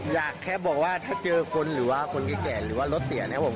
อยากแค่บอกว่าถ้าเจอคนหรือว่าคนแก่หรือว่ารถเสียนะครับผม